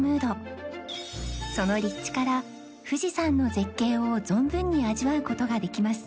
その立地から富士山の絶景を存分に味わう事ができます